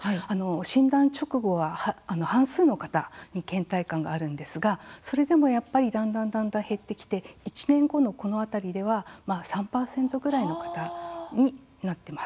診断直後は半数の方にけん怠感があるんですがそれでもやっぱりだんだんだんだん減ってきて１年後のこの辺りでは３％ぐらいの方になっています。